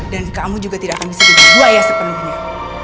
dan kamu juga tidak akan bisa jadi buaya sepenuhnya